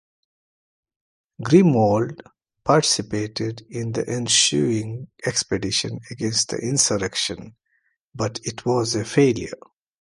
Grimoald participated in the ensuing expedition against the insurrection, but it was a failure.